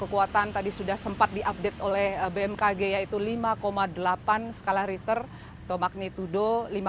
kekuatan tadi sudah sempat diupdate oleh bmkg yaitu lima delapan skala riter atau magnitudo lima enam